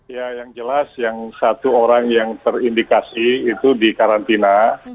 ya yang jelas yang satu orang yang terindikasi itu dikarantina